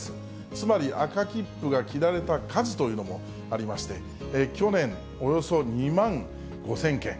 つまり赤切符が切られた数というのもありまして、去年、およそ２万５０００件。